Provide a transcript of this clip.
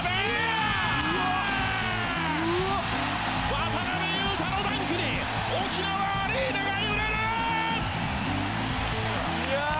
渡邊雄太のダンクに沖縄アリーナが揺れる！